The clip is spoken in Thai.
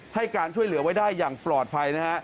ให้การช่วยเหลือไว้ได้อย่างปลอดภัยนะฮะ